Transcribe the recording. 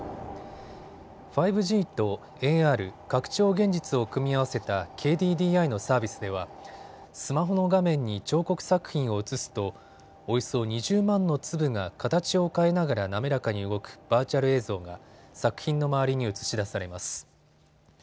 ５ＧとＡＲ・拡張現実を組み合わせたＫＤＤＩのサービスではスマホの画面に彫刻作品を映すとおよそ２０万の粒が形を変えながら滑らかに動くバーチャル映像が作品の周りに映し出されます。